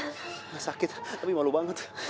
nggak sakit tapi malu banget